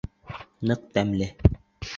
Ныҡ тәмле.